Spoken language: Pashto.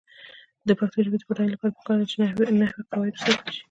د پښتو ژبې د بډاینې لپاره پکار ده چې نحوي قواعد وساتل شي.